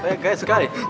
banyak gaya sekali